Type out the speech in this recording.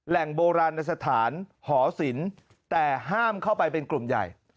แหล่งโบราณในสถานหอสินแต่ห้ามเข้าไปเป็นกลุ่มใหญ่